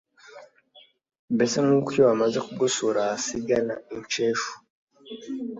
mbese nk'uko iyo bamaze kugosora, hasigara incenshu